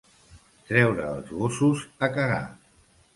Treure els gossos a cagar.